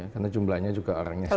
karena jumlahnya juga orangnya sedikit